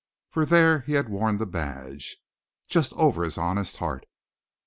For there he had worn the badge just over his honest heart.